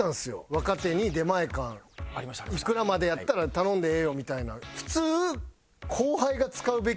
若手に出前館いくらまでやったら頼んでええよみたいな。